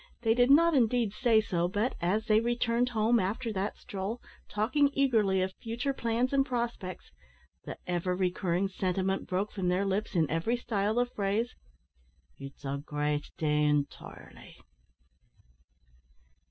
They did not indeed say so, but, as they returned home after that stroll, talking eagerly of future plans and prospects, the ever recurring sentiment broke from their lips, in every style of phrase, "It's a great day, intirely!"